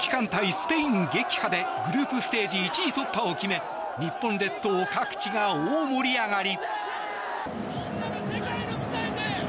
スペイン撃破でグループステージ１位突破を決め日本列島各地が大盛り上がり。